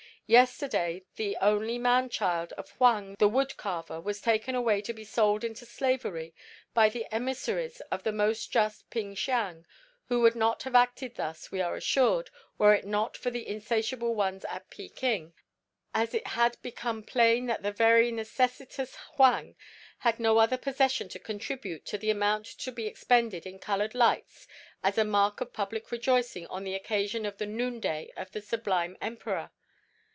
Yesterday the only man child of Huang the wood carver was taken away to be sold into slavery by the emissaries of the most just Ping Siang (who would not have acted thus, we are assured, were it not for the insatiable ones at Peking), as it had become plain that the very necessitous Huang had no other possession to contribute to the amount to be expended in coloured lights as a mark of public rejoicing on the occasion of the moonday of the sublime Emperor.